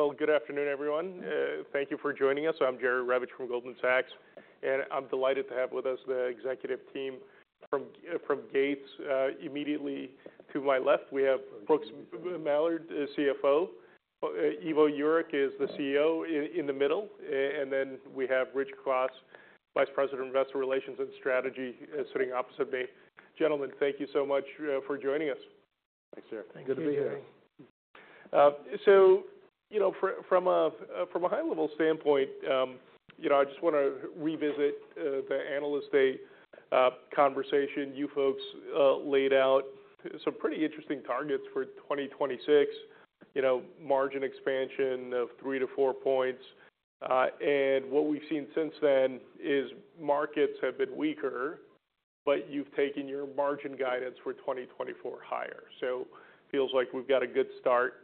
Okay, well, good afternoon, everyone. Thank you for joining us. I'm Jerry Revich from Goldman Sachs, and I'm delighted to have with us the executive team from Gates. Immediately to my left, we have Brooks Mallard, CFO. Ivo Jurek is the CEO in the middle. And then we have Rich Kwas, Vice President, Investor Relations and Strategy, sitting opposite me. Gentlemen, thank you so much for joining us. Thanks, Jerry. Thank you. Good to be here. So, you know, from a high-level standpoint, you know, I just wanna revisit the Analyst Day conversation you folks laid out. Some pretty interesting targets for 2026, you know, margin expansion of three to four points. And what we've seen since then is markets have been weaker, but you've taken your margin guidance for 2024 higher. So feels like we've got a good start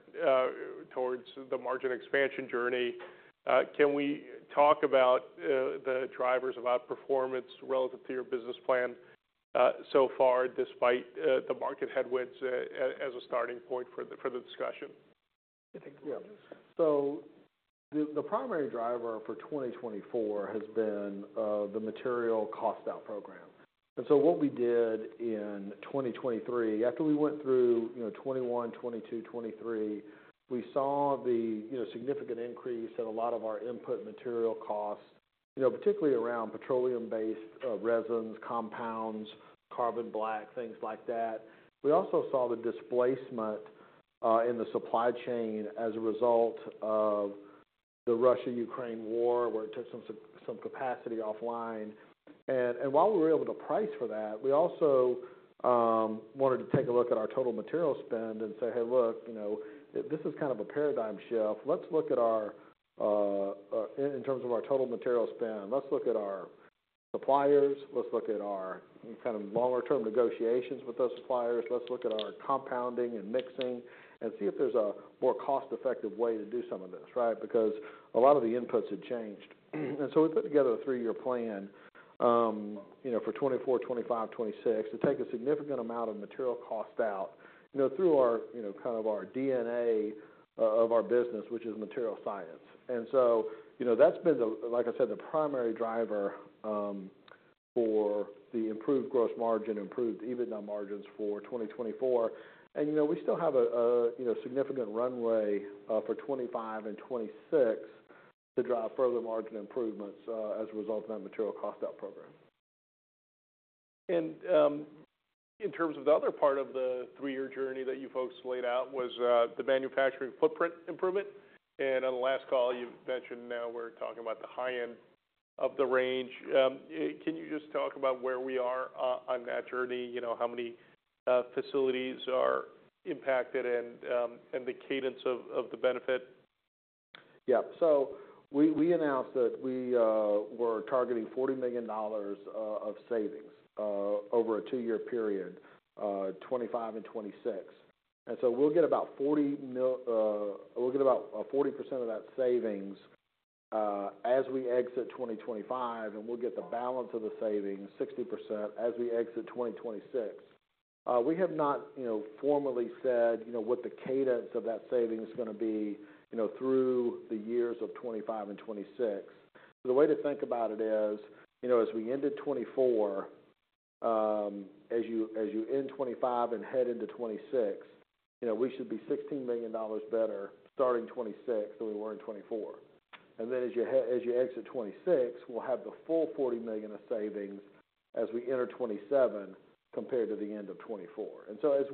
towards the margin expansion journey. Can we talk about the drivers of outperformance relative to your business plan so far, despite the market headwinds, as a starting point for the discussion? I think so. Yeah. So the primary driver for 2024 has been the material cost-out program. What we did in 2023, after we went through you know 2021, 2022, 2023, we saw you know significant increase in a lot of our input material costs you know particularly around petroleum-based resins, compounds, carbon black, things like that. We also saw the displacement in the supply chain as a result of the Russia-Ukraine war, where it took some capacity offline. And while we were able to price for that, we also wanted to take a look at our total material spend and say, "Hey, look, you know, this is kind of a paradigm shift. Let's look at our in terms of our total material spend. Let's look at our suppliers. Let's look at our kind of longer-term negotiations with those suppliers. Let's look at our compounding and mixing and see if there's a more cost-effective way to do some of this, right? Because a lot of the inputs had changed, and so we put together a three-year plan, you know, for 2024, 2025, 2026 to take a significant amount of material cost out, you know, through our, you know, kind of our DNA, of our business, which is material science. So, you know, that's been the, like I said, the primary driver, for the improved gross margin, improved EBITDA margins for 2024, and you know, we still have a you know, significant runway, for 2025 and 2026 to drive further margin improvements, as a result of that material cost-out program. In terms of the other part of the three-year journey that you folks laid out was, the manufacturing footprint improvement. On the last call, you mentioned now we're talking about the high end of the range. Can you just talk about where we are, on that journey? You know, how many facilities are impacted and the cadence of the benefit? Yeah. So we announced that we were targeting $40 million of savings over a two-year period, 2025 and 2026. And so we'll get about 40 mil, 40% of that savings, as we exit 2025, and we'll get the balance of the savings, 60%, as we exit 2026. We have not, you know, formally said, you know, what the cadence of that saving is gonna be, you know, through the years of 2025 and 2026. So the way to think about it is, you know, as we ended 2024, as you end 2025 and head into 2026, you know, we should be $16 million better starting 2026 than we were in 2024. And then as you exit 2026, we'll have the full 40 million of savings as we enter 2027 compared to the end of 2024. And so as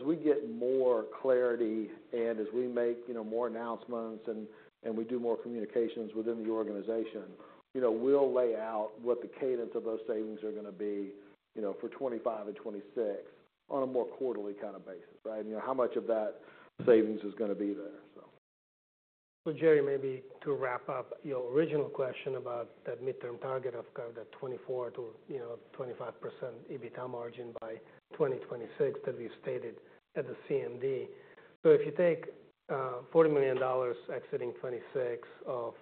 we get more clarity and as we make, you know, more announcements and we do more communications within the organization, you know, we'll lay out what the cadence of those savings are gonna be, you know, for 2025 and 2026 on a more quarterly kind of basis, right? You know, how much of that savings is gonna be there, so. So Jerry, maybe to wrap up your original question about that midterm target of kind of that 2024 to, you know, 25% EBITDA margin by 2026 that we stated at the CMD. So if you take $40 million exiting 2026 of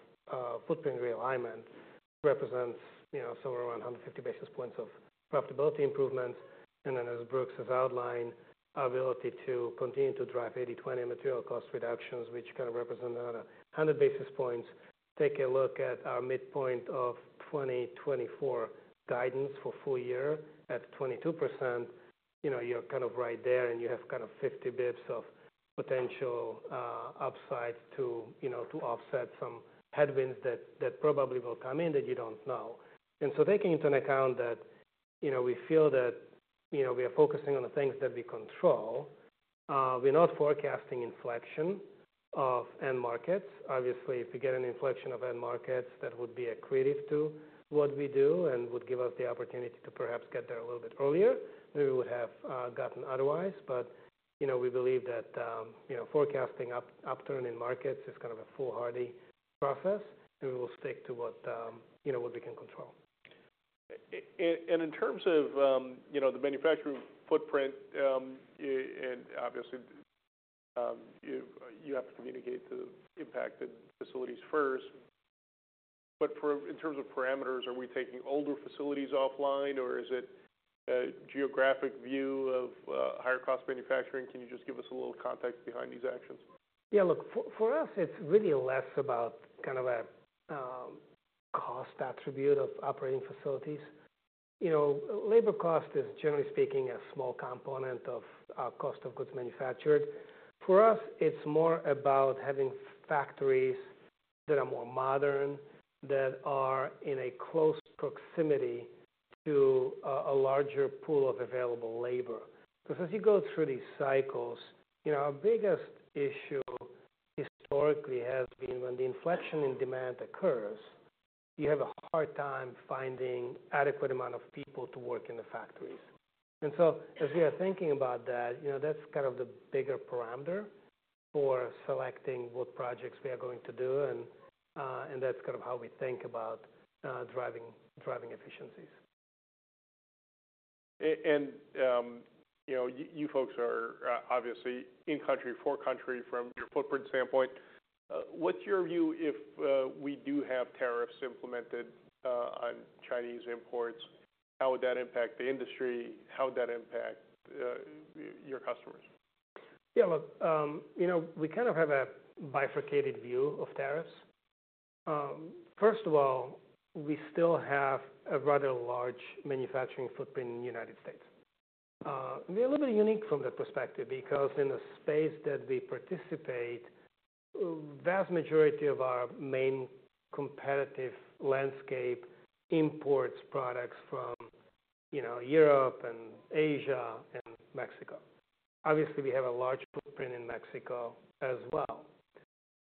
footprint realignment, it represents, you know, somewhere around 150 basis points of profitability improvements. And then as Brooks has outlined, our ability to continue to drive 80/20 material cost reductions, which kind of represents another 100 basis points. Take a look at our midpoint of 2024 guidance for full year at 22%. You know, you're kind of right there, and you have kind of 50 basis points of potential upside to, you know, to offset some headwinds that, that probably will come in that you don't know. And so taking into account that, you know, we feel that, you know, we are focusing on the things that we control, we're not forecasting inflection of end markets. Obviously, if we get an inflection of end markets, that would be a credit to what we do and would give us the opportunity to perhaps get there a little bit earlier. We would have gotten otherwise. But, you know, we believe that, you know, forecasting upturn in markets is kind of a foolhardy process, and we will stick to what, you know, what we can control. And in terms of, you know, the manufacturing footprint, and obviously, you have to communicate the impacted facilities first. But in terms of parameters, are we taking older facilities offline, or is it a geographic view of higher cost manufacturing? Can you just give us a little context behind these actions? Yeah. Look, for us, it's really less about kind of a cost attribute of operating facilities. You know, labor cost is, generally speaking, a small component of cost of goods manufactured. For us, it's more about having factories that are more modern, that are in close proximity to a larger pool of available labor. Because as you go through these cycles, you know, our biggest issue historically has been when the inflection in demand occurs, you have a hard time finding adequate amount of people to work in the factories. And so as we are thinking about that, you know, that's kind of the bigger parameter for selecting what projects we are going to do. And that's kind of how we think about driving efficiencies. You know, you folks are obviously in-country, for-country from your footprint standpoint. What's your view if we do have tariffs implemented on Chinese imports? How would that impact the industry? How would that impact your customers? Yeah. Look, you know, we kind of have a bifurcated view of tariffs. First of all, we still have a rather large manufacturing footprint in the United States. We're a little bit unique from that perspective because in the space that we participate, vast majority of our main competitive landscape imports products from, you know, Europe and Asia and Mexico. Obviously, we have a large footprint in Mexico as well.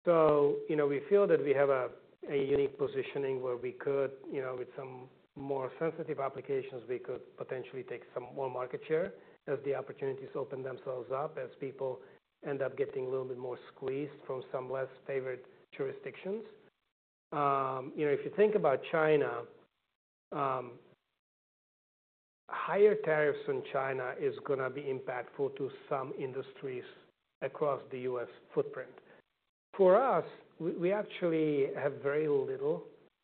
So, you know, we feel that we have a unique positioning where we could, you know, with some more sensitive applications, we could potentially take some more market share as the opportunities open themselves up, as people end up getting a little bit more squeezed from some less favored jurisdictions. You know, if you think about China, higher tariffs on China is gonna be impactful to some industries across the U.S. footprint. For us, we actually have very little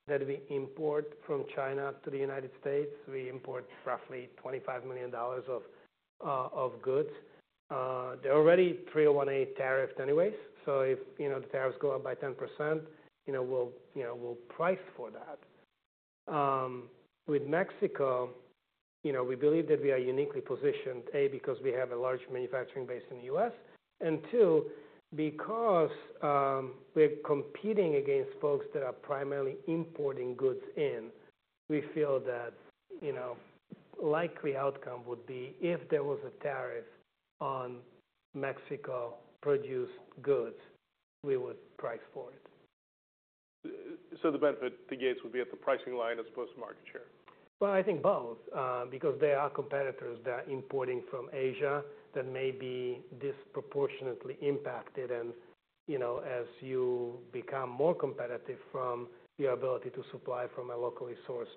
that we import from China to the United States. We import roughly $25 million of goods. They're already 301(a) tariffed anyways. So if, you know, the tariffs go up by 10%, you know, we'll, you know, price for that. With Mexico, you know, we believe that we are uniquely positioned, A, because we have a large manufacturing base in the U.S., and two, because, we're competing against folks that are primarily importing goods in. We feel that, you know, likely outcome would be if there was a tariff on Mexico-produced goods, we would price for it. So the benefit to Gates would be at the pricing line as opposed to market share? I think both, because there are competitors that are importing from Asia that may be disproportionately impacted. And, you know, as you become more competitive from your ability to supply from a locally sourced,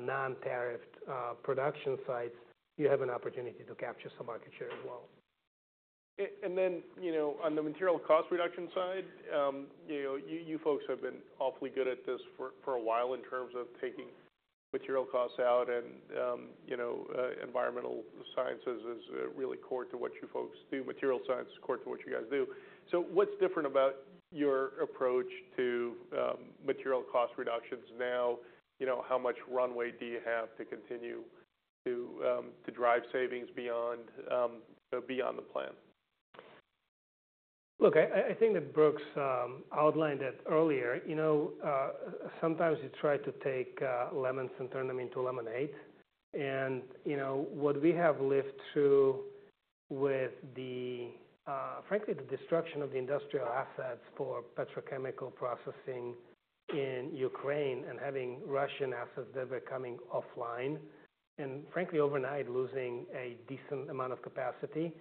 non-tariffed, production sites, you have an opportunity to capture some market share as well. And then, you know, on the material cost reduction side, you know, you folks have been awfully good at this for a while in terms of taking material costs out. And, you know, environmental science is really core to what you folks do. Material science is core to what you guys do. So what's different about your approach to material cost reductions now? You know, how much runway do you have to continue to drive savings beyond the plan? Look, I think that Brooks outlined it earlier. You know, sometimes you try to take lemons and turn them into lemonade. And, you know, what we have lived through with the, frankly, the destruction of the industrial assets for petrochemical processing in Ukraine and having Russian assets that were coming offline and, frankly, overnight losing a decent amount of capacity,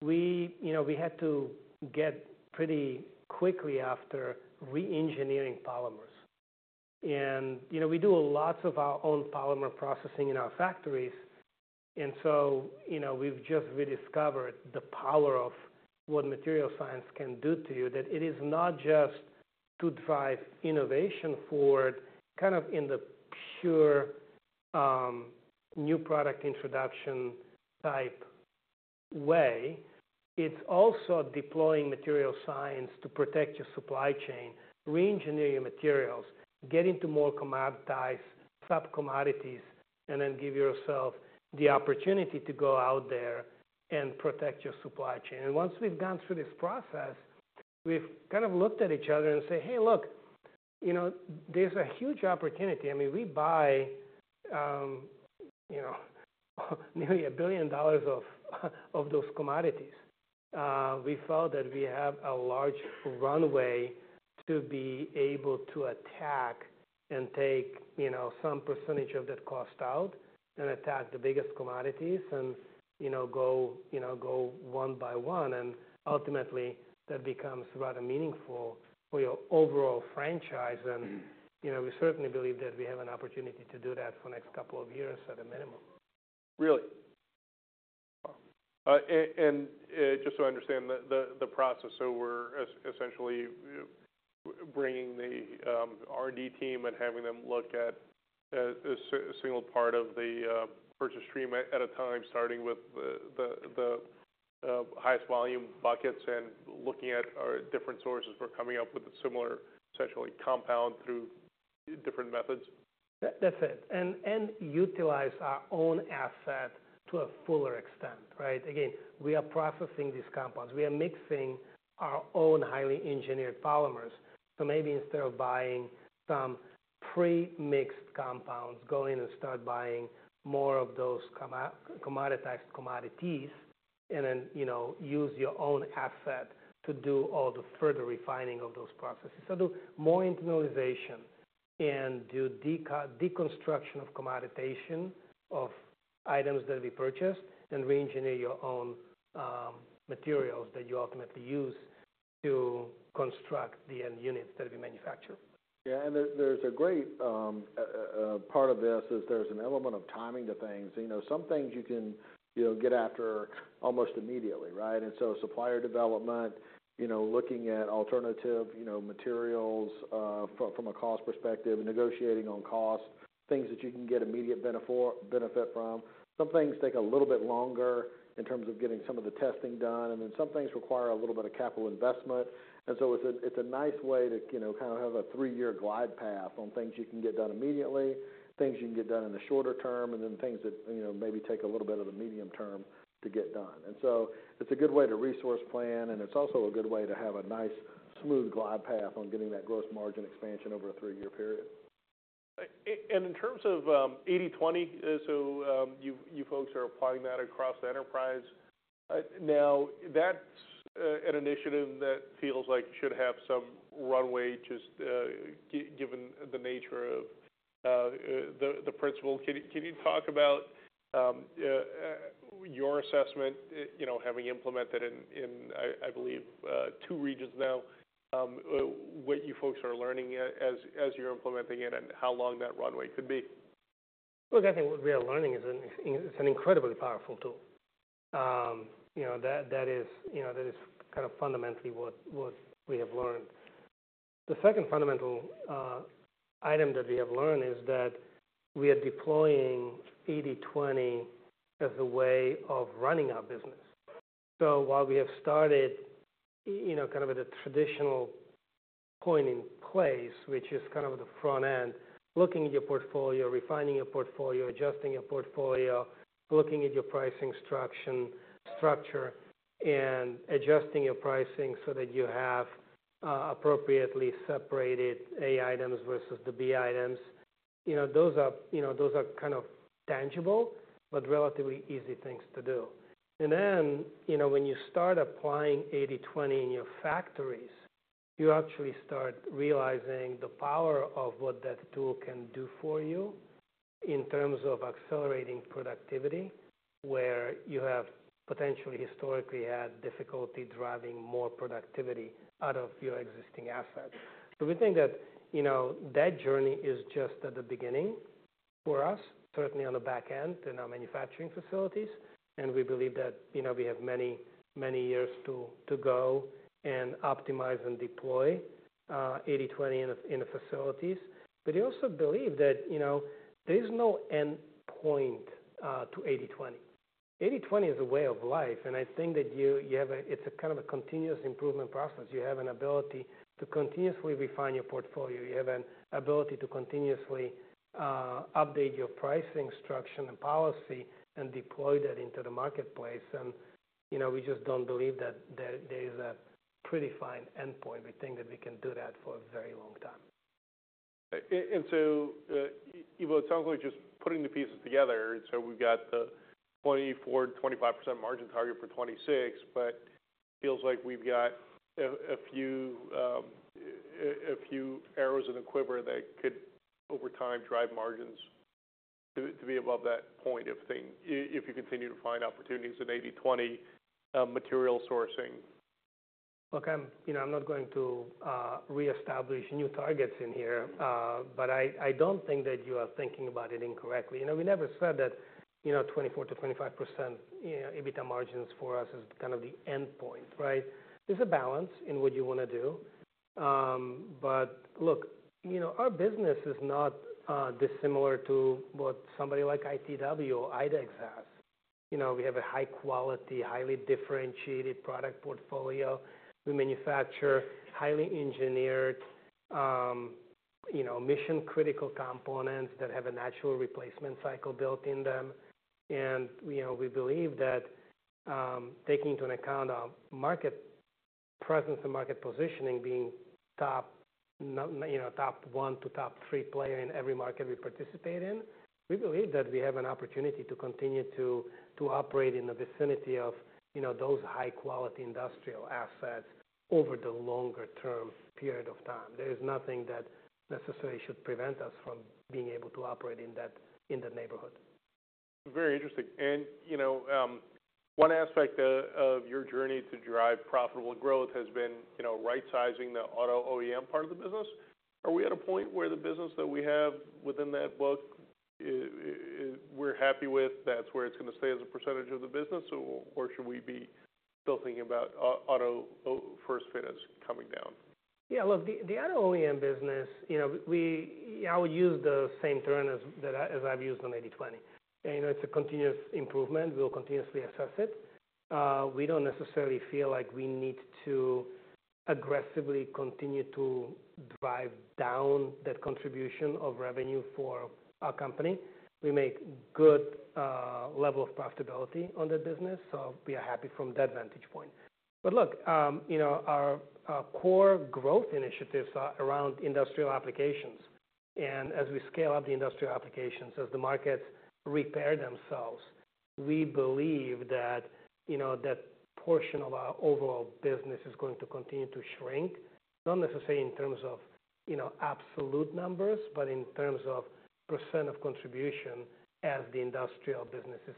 we, you know, we had to get pretty quickly after re-engineering polymers. And, you know, we do lots of our own polymer processing in our factories. And so, you know, we've just rediscovered the power of what material science can do to you, that it is not just to drive innovation forward kind of in the pure, new product introduction type way. It's also deploying material science to protect your supply chain, re-engineer your materials, get into more commoditized sub-commodities, and then give yourself the opportunity to go out there and protect your supply chain. And once we've gone through this process, we've kind of looked at each other and say, "Hey, look, you know, there's a huge opportunity. I mean, we buy, you know, nearly $1 billion of those commodities. We felt that we have a large runway to be able to attack and take, you know, some percentage of that cost out and attack the biggest commodities and, you know, go, you know, go one by one." And ultimately, that becomes rather meaningful for your overall franchise. And, you know, we certainly believe that we have an opportunity to do that for the next couple of years at a minimum. Really? And just so I understand the process, so we're essentially bringing the R&D team and having them look at a single part of the purchase stream at a time, starting with the highest volume buckets and looking at different sources for coming up with a similar essentially compound through different methods? That's it, and utilize our own asset to a fuller extent, right? Again, we are processing these compounds. We are mixing our own highly engineered polymers. So maybe instead of buying some pre-mixed compounds, go in and start buying more of those commoditized commodities and then, you know, use your own asset to do all the further refining of those processes. So do more internalization and do deconstruction of commoditization of items that we purchased and re-engineer your own materials that you ultimately use to construct the end units that we manufacture. Yeah. And there, there's a great part of this is there's an element of timing to things. You know, some things you can, you know, get after almost immediately, right? And so supplier development, you know, looking at alternative, you know, materials, from a cost perspective, negotiating on cost, things that you can get immediate benefit from. Some things take a little bit longer in terms of getting some of the testing done, and then some things require a little bit of capital investment. And so it's a nice way to, you know, kind of have a three-year glide path on things you can get done immediately, things you can get done in the shorter term, and then things that, you know, maybe take a little bit of the medium term to get done. And so it's a good way to resource plan, and it's also a good way to have a nice smooth glide path on getting that gross margin expansion over a three-year period. And in terms of 80/20, so you folks are applying that across enterprise. Now that's an initiative that feels like should have some runway just given the nature of the principle. Can you talk about your assessment, you know, having implemented in I believe two regions now, what you folks are learning as you're implementing it and how long that runway could be? Look, I think what we are learning is it's an incredibly powerful tool, you know, that, that is, you know, that is kind of fundamentally what, what we have learned. The second fundamental item that we have learned is that we are deploying 80/20 as a way of running our business. So while we have started, you know, kind of at a traditional point in place, which is kind of at the front end, looking at your portfolio, refining your portfolio, adjusting your portfolio, looking at your pricing structure, and adjusting your pricing so that you have appropriately separated A items versus the B items, you know, those are, you know, those are kind of tangible but relatively easy things to do. And then, you know, when you start applying 80/20 in your factories, you actually start realizing the power of what that tool can do for you in terms of accelerating productivity where you have potentially historically had difficulty driving more productivity out of your existing assets. So we think that, you know, that journey is just at the beginning for us, certainly on the back end in our manufacturing facilities. And we believe that, you know, we have many, many years to go and optimize and deploy 80/20 in the facilities. But we also believe that, you know, there is no end point to 80/20. 80/20 is a way of life. And I think that you have a it's a kind of a continuous improvement process. You have an ability to continuously refine your portfolio. You have an ability to continuously update your pricing structure and policy and deploy that into the marketplace, and you know, we just don't believe that there is a predefined end point. We think that we can do that for a very long time. And so, you know, it sounds like just putting the pieces together. And so we've got the 20%-25% margin target for 2026, but feels like we've got a few arrows in the quiver that could, over time, drive margins to be above that point if you continue to find opportunities in 80/20, material sourcing. Look, I'm, you know, I'm not going to reestablish new targets in here, but I don't think that you are thinking about it incorrectly. You know, we never said that, you know, 24%-25%, you know, EBITDA margins for us is kind of the end point, right? There's a balance in what you wanna do. But look, you know, our business is not dissimilar to what somebody like ITW or IDEX has. You know, we have a high-quality, highly differentiated product portfolio. We manufacture highly engineered, you know, mission-critical components that have a natural replacement cycle built in them. You know, we believe that, taking into account our market presence and market positioning being top one, you know, to top three player in every market we participate in, we believe that we have an opportunity to continue to operate in the vicinity of, you know, those high-quality industrial assets over the longer-term period of time. There is nothing that necessarily should prevent us from being able to operate in that neighborhood. Very interesting, and you know, one aspect of your journey to drive profitable growth has been, you know, right-sizing the auto OEM part of the business. Are we at a point where the business that we have within that book, we're happy with, that's where it's gonna stay as a percentage of the business, or, or should we be still thinking about auto aftermarket coming down? Yeah. Look, the auto OEM business, you know, we. I would use the same term as that as I've used on 80/20. You know, it's a continuous improvement. We'll continuously assess it. We don't necessarily feel like we need to aggressively continue to drive down that contribution of revenue for our company. We make good level of profitability on that business, so we are happy from that vantage point. But look, you know, our core growth initiatives are around industrial applications. And as we scale up the industrial applications, as the markets repair themselves, we believe that, you know, that portion of our overall business is going to continue to shrink, not necessarily in terms of, you know, absolute numbers, but in terms of percent of contribution as the industrial businesses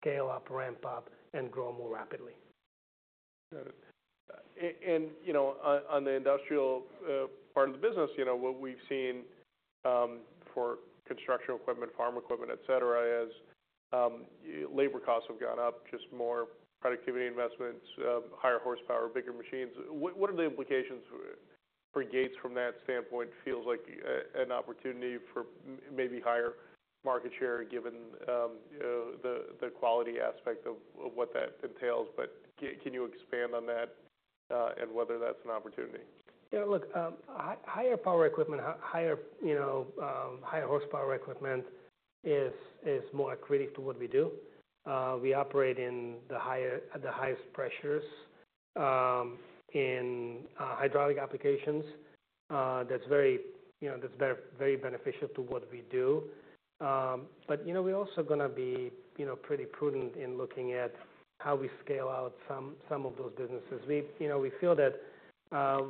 scale up, ramp up, and grow more rapidly. Got it. And, you know, on the industrial part of the business, you know, what we've seen for construction equipment, farm equipment, etc., is labor costs have gone up, just more productivity investments, higher horsepower, bigger machines. What are the implications for Gates from that standpoint? Feels like an opportunity for maybe higher market share given the quality aspect of what that entails. But can you expand on that, and whether that's an opportunity? Yeah. Look, higher power equipment, higher, you know, higher horsepower equipment is more accretive to what we do. We operate in the higher, at the highest pressures, in hydraulic applications. That's very, you know, that's very beneficial to what we do. But, you know, we're also gonna be, you know, pretty prudent in looking at how we scale out some of those businesses. We, you know, we feel that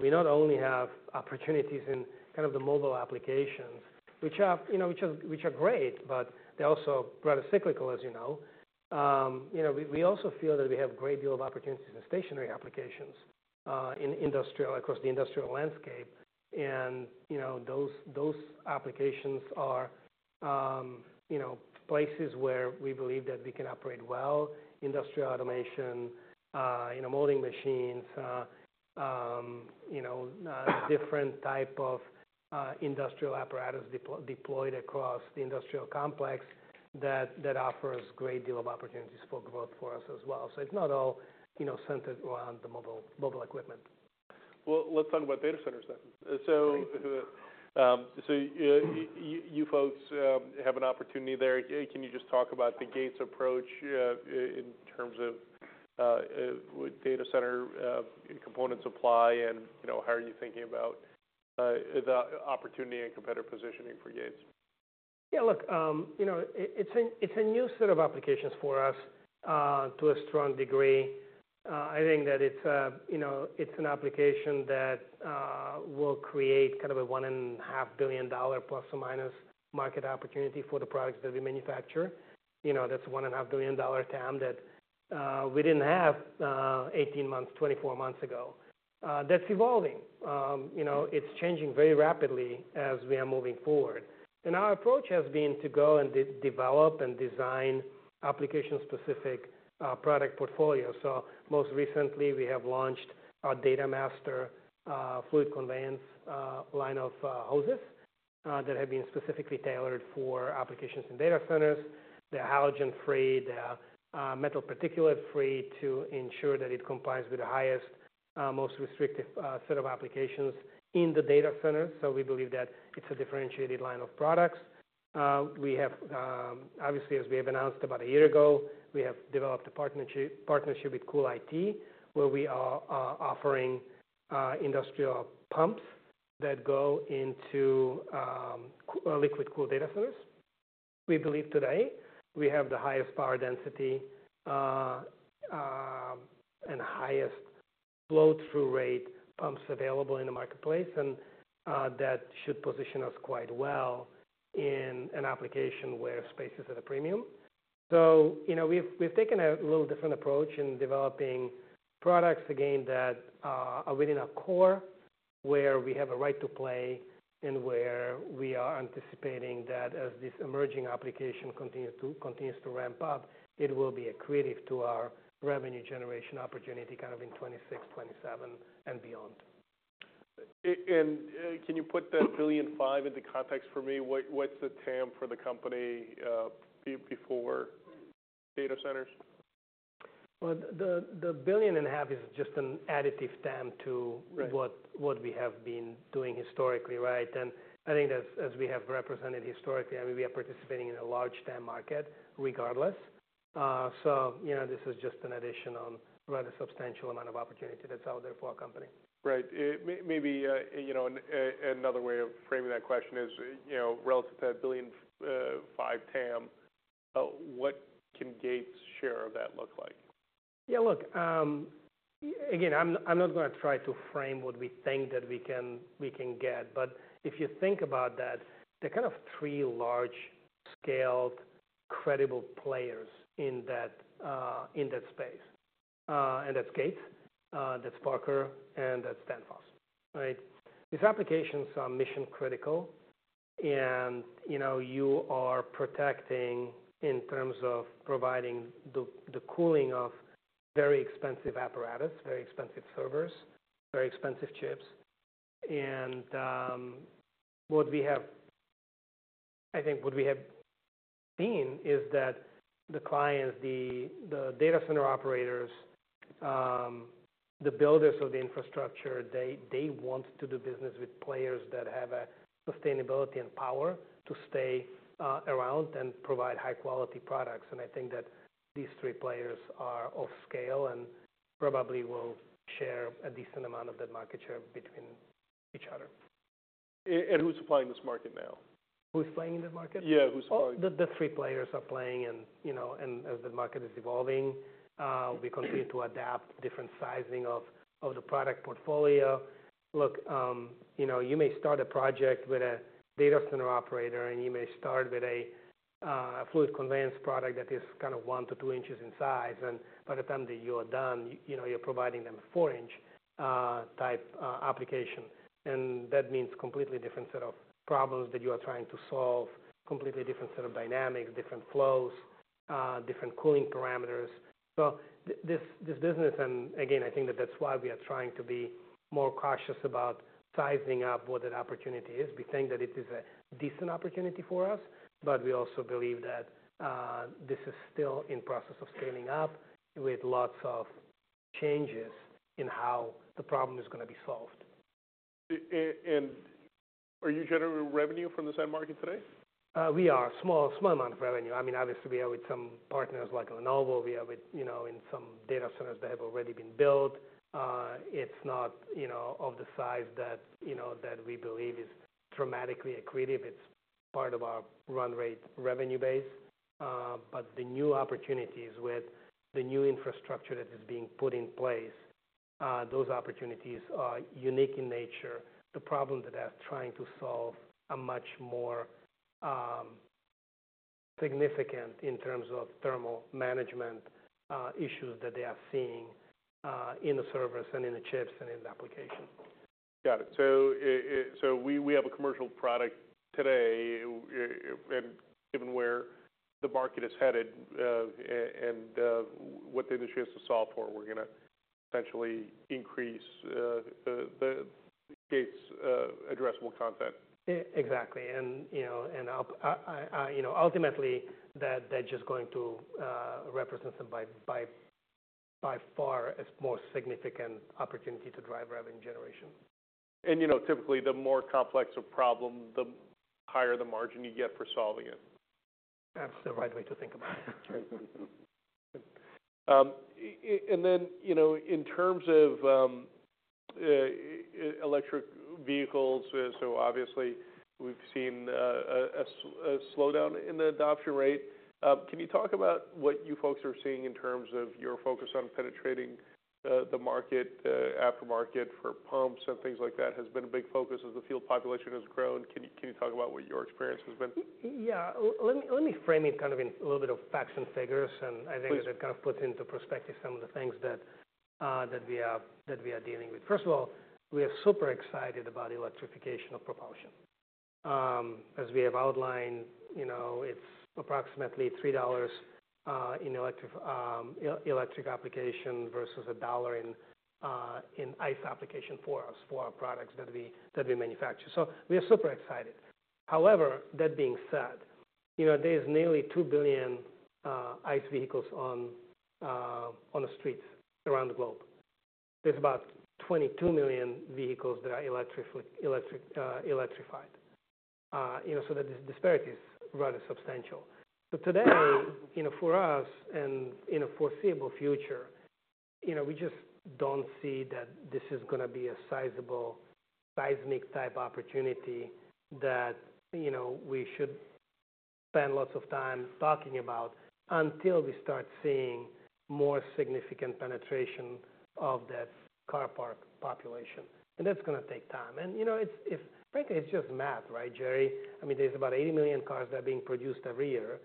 we not only have opportunities in kind of the mobile applications, which are, you know, which are great, but they're also rather cyclical, as you know. You know, we also feel that we have a great deal of opportunities in stationary applications, in industrial across the industrial landscape. You know, those applications are, you know, places where we believe that we can operate well: industrial automation, you know, molding machines, you know, different type of, industrial apparatus deployed across the industrial complex that offers a great deal of opportunities for growth for us as well. So it's not all, you know, centered around the mobile equipment. Let's talk about data centers then. You folks have an opportunity there. Can you just talk about the Gates approach, in terms of what data center components apply and, you know, how are you thinking about the opportunity and competitive positioning for Gates? Yeah. Look, you know, it's a new set of applications for us, to a strong degree. I think that it's a, you know, it's an application that will create kind of a $1.5 billion plus or minus market opportunity for the products that we manufacture. You know, that's a $1.5 billion TAM that we didn't have 18 months, 24 months ago. That's evolving. You know, it's changing very rapidly as we are moving forward, and our approach has been to go and develop and design application-specific product portfolio. So most recently, we have launched our Data Master fluid conveyance line of hoses that have been specifically tailored for applications in data centers. They're halogen-free. They're metal particulate-free to ensure that it complies with the highest, most restrictive set of applications in the data centers. So we believe that it's a differentiated line of products. We have, obviously, as we have announced about a year ago, we have developed a partnership with CoolIT where we are offering industrial pumps that go into liquid-cooled data centers. We believe today we have the highest power density and highest flow-through rate pumps available in the marketplace, and that should position us quite well in an application where space is at a premium. You know, we've taken a little different approach in developing products, again, that are within our core where we have a right to play and where we are anticipating that as this emerging application continues to ramp up, it will be accretive to our revenue generation opportunity kind of in 2026, 2027, and beyond. Can you put that $1.5 billion into context for me? What's the TAM for the company before data centers? The 1.5 billion is just an additive TAM to. Right. What we have been doing historically, right? And I think that's, as we have represented historically, I mean, we are participating in a large TAM market regardless. So, you know, this is just an addition on rather substantial amount of opportunity that's out there for our company. Right. Maybe, you know, another way of framing that question is, you know, relative to that 1.5 billion TAM, what can Gates share of that look like? Yeah. Look, again, I'm not gonna try to frame what we think that we can get. But if you think about that, there are kind of three large-scale, credible players in that space. And that's Gates, that's Parker, and that's Danfoss, right? These applications are mission-critical, and you know, you are protecting in terms of providing the cooling of very expensive apparatus, very expensive servers, very expensive chips. And what we have seen, I think, is that the clients, the data center operators, the builders of the infrastructure, they want to do business with players that have a sustainability and power to stay around and provide high-quality products. And I think that these three players are of scale and probably will share a decent amount of that market share between each other. And who's playing this market now? Who's playing in that market? Yeah. Who's playing? Oh, the three players are playing and, you know, and as the market is evolving, we continue to adapt different sizing of the product portfolio. Look, you know, you may start a project with a data center operator, and you may start with a fluid conveyance product that is kind of one to two inches in size. And by the time that you are done, you know, you're providing them a four-inch type application. And that means a completely different set of problems that you are trying to solve, completely different set of dynamics, different flows, different cooling parameters. So this business, and again, I think that that's why we are trying to be more cautious about sizing up what that opportunity is. We think that it is a decent opportunity for us, but we also believe that this is still in process of scaling up with lots of changes in how the problem is gonna be solved. Are you generating revenue from this end market today? We are. Small, small amount of revenue. I mean, obviously, we are with some partners like Lenovo. We are with, you know, in some data centers that have already been built. It's not, you know, of the size that, you know, that we believe is dramatically accretive. It's part of our run rate revenue base, but the new opportunities with the new infrastructure that is being put in place, those opportunities are unique in nature. The problem that they are trying to solve is much more significant in terms of thermal management issues that they are seeing in the servers and in the chips and in the application. Got it, so we have a commercial product today, and given where the market is headed, and what the industry has to solve for, we're gonna essentially increase the Gates addressable content. Exactly. And, you know, ultimately, that just going to represent them by far as more significant opportunity to drive revenue generation. You know, typically, the more complex a problem, the higher the margin you get for solving it. That's the right way to think about it. And then, you know, in terms of electric vehicles, so obviously, we've seen a slowdown in the adoption rate. Can you talk about what you folks are seeing in terms of your focus on penetrating the aftermarket for pumps and things like that has been a big focus as the fleet population has grown? Can you talk about what your experience has been? Yeah. Let me frame it kind of in a little bit of facts and figures, and I think that. Sure. That kind of puts into perspective some of the things that we are dealing with. First of all, we are super excited about electrification of propulsion. As we have outlined, you know, it's approximately $3 in electric application versus a dollar in ICE application for us, for our products that we manufacture. So we are super excited. However, that being said, you know, there's nearly 2 billion ICE vehicles on the streets around the globe. There's about 22 million vehicles that are electrified. You know, so this disparity is rather substantial. So today, you know, for us and in a foreseeable future, you know, we just don't see that this is gonna be a sizable seismic-type opportunity that, you know, we should spend lots of time talking about until we start seeing more significant penetration of that car park population. And that's gonna take time. And, you know, it's frankly just math, right, Jerry? I mean, there's about 80 million cars that are being produced every year.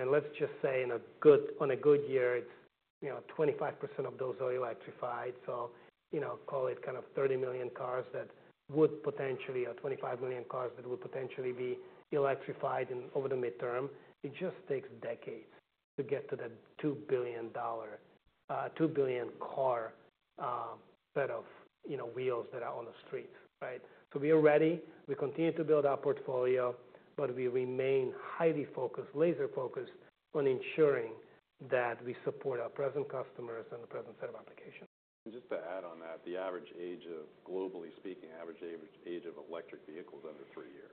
And let's just say in a good year, it's, you know, 25% of those are electrified. So, you know, call it kind of 30 million cars that would potentially or 25 million cars that would potentially be electrified over the midterm. It just takes decades to get to that $2 billion, $2 billion car set of, you know, wheels that are on the streets, right? We are ready. We continue to build our portfolio, but we remain highly focused, laser-focused on ensuring that we support our present customers and the present set of applications. Just to add on that, the average age, globally speaking, of electric vehicles is under three years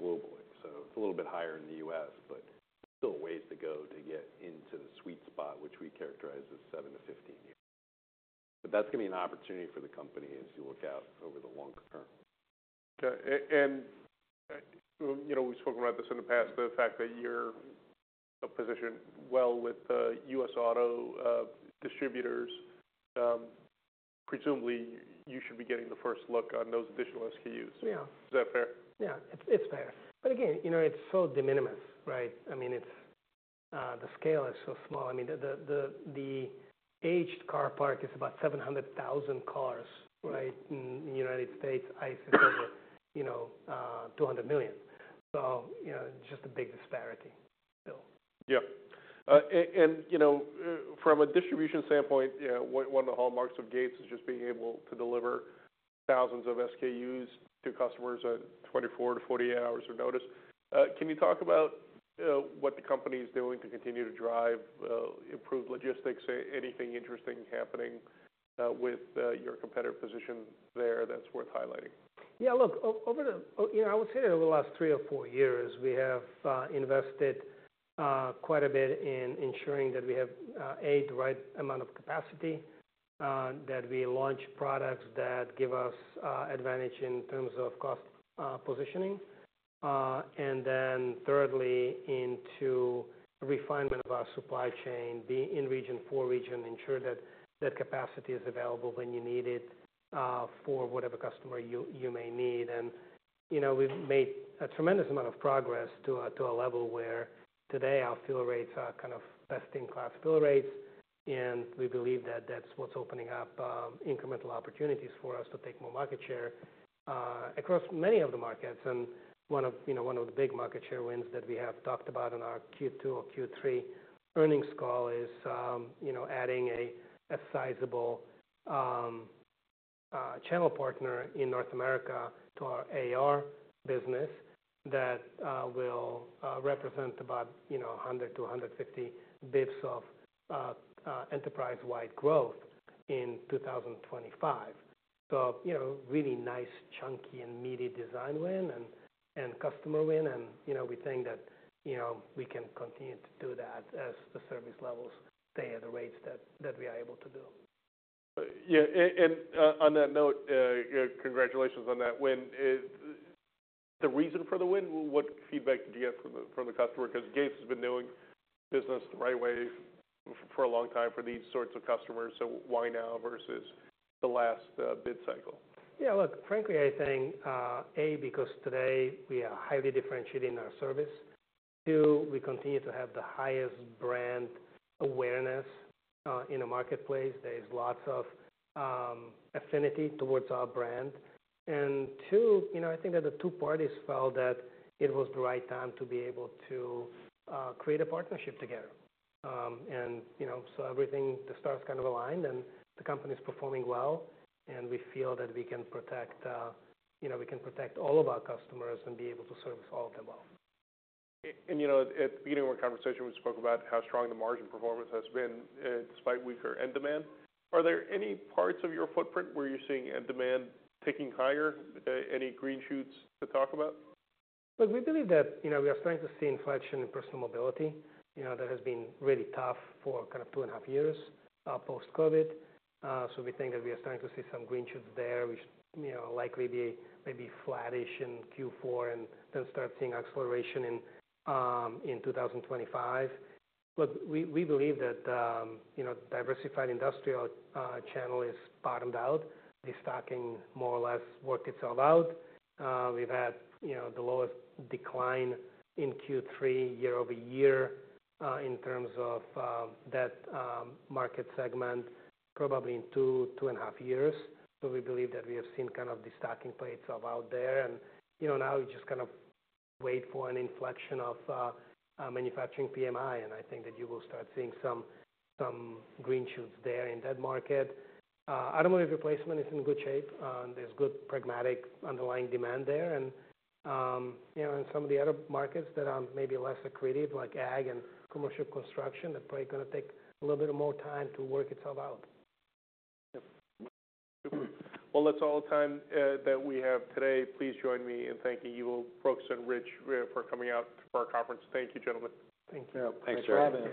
globally. It's a little bit higher in the U.S., but still a ways to go to get into the sweet spot, which we characterize as seven to 15 years. That's gonna be an opportunity for the company as you look out over the long term. Okay. Well, you know, we've spoken about this in the past, the fact that you're positioned well with U.S. auto distributors. Presumably, you should be getting the first look on those additional SKUs. Yeah. Is that fair? Yeah. It's fair. But again, you know, it's so de minimis, right? I mean, the scale is so small. I mean, the aged car park is about 700,000 cars, right? Mm-hmm. In the United States, ICE is over 200 million, you know. So, you know, just a big disparity still. Yep. And, you know, from a distribution standpoint, you know, one of the hallmarks of Gates is just being able to deliver thousands of SKUs to customers at 24 to 48 hours of notice. Can you talk about what the company is doing to continue to drive improved logistics? Anything interesting happening with your competitive position there that's worth highlighting? Yeah. Look, over the you know, I would say that over the last three or four years, we have invested quite a bit in ensuring that we have adequate amount of capacity, that we launch products that give us advantage in terms of cost positioning. And then thirdly, into refinement of our supply chain, being in region for region, ensure that that capacity is available when you need it, for whatever customer you may need. And you know, we've made a tremendous amount of progress to a level where today, our fill rates are kind of best-in-class fill rates. And we believe that that's what's opening up incremental opportunities for us to take more market share across many of the markets. One of the big market share wins that we have talked about in our Q2 or Q3 earnings call is adding a sizable channel partner in North America to our AR business that will represent about 100-150 basis points of enterprise-wide growth in 2025. You know, really nice, chunky, and meaty design win and customer win. We think that, you know, we can continue to do that as the service levels stay at the rates that we are able to do. Yeah. And, on that note, congratulations on that win. The reason for the win? What feedback did you get from the customer? 'Cause Gates has been doing business the right way for a long time for these sorts of customers. So why now versus the last bid cycle? Yeah. Look, frankly, I think, A, because today, we are highly differentiated in our service. Two, we continue to have the highest brand awareness, in the marketplace. There is lots of, affinity towards our brand. And two, you know, I think that the two parties felt that it was the right time to be able to, create a partnership together. And, you know, so everything, the stars kind of aligned, and the company's performing well. And we feel that we can protect, you know, we can protect all of our customers and be able to service all of them well. And, you know, at the beginning of our conversation, we spoke about how strong the margin performance has been, despite weaker end demand. Are there any parts of your footprint where you're seeing end demand ticking higher? Any green shoots to talk about? Look, we believe that, you know, we are starting to see inflection in personal mobility, you know, that has been really tough for kind of two and a half years, post-COVID. So we think that we are starting to see some green shoots there, which, you know, likely be maybe flattish in Q4 and then start seeing acceleration in 2025. Look, we believe that, you know, diversified industrial channel is bottomed out. Restocking more or less worked itself out. We've had, you know, the lowest decline in Q3 year over year, in terms of that market segment probably in two and a half years. So we believe that we have seen kind of the stocking play has played itself out there. You know, now we just kind of wait for an inflection of manufacturing PMI. And I think that you will start seeing some green shoots there in that market. Automotive replacement is in good shape, and there's good pragmatic underlying demand there. And, you know, and some of the other markets that are maybe less accretive, like ag and commercial construction, that's probably gonna take a little bit more time to work itself out. Yep. Super. That's all the time that we have today. Please join me in thanking Brooks and Rich for coming out for our conference. Thank you, gentlemen. Thank you. Yeah. Thanks, Jerry. Thanks for having us.